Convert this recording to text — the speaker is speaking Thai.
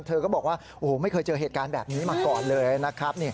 เธอก็บอกว่าโอ้โหไม่เคยเจอเหตุการณ์แบบนี้มาก่อนเลยนะครับ